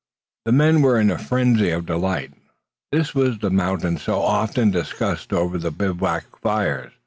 The men were in a frenzy of delight. This was the mountain so often discussed over the bivouac fires.